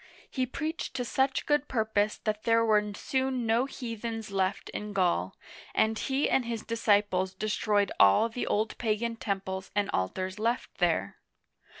He preached to such good purpose that there were soon no heathen left in Gaul, and he and his disciples destroyed all the old pagan temples and altars left thene.